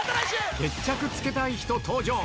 決着つけたい人登場。